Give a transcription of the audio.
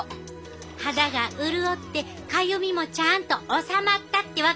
肌が潤ってかゆみもちゃんと治まったってわけ！